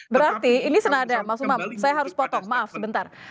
berarti ini saya harus potong maaf sebentar